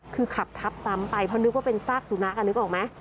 คือขับทับซ้ำไปเพราะนึกว่าเป็นซากสุนัขนึกออกไหม